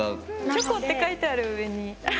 「チョコ」って書いてある上に。